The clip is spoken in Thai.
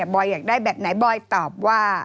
อยอยากได้แบบไหนบอยตอบว่า